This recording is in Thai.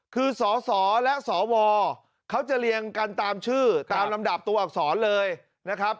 คือสสและสวเขาจะเรียงกันตามชื่อตามลำดับตัวอักษรเลยนะครับ